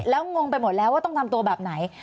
แล้วงงไปหมดแล้วว่าต้องทำตัวแบบไหน